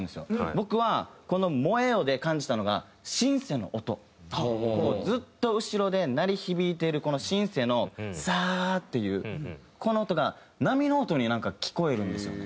僕はこの『燃えよ』で感じたのがずっと後ろで鳴り響いてるシンセの「サーッ」っていうこの音が波の音に聞こえるんですよね。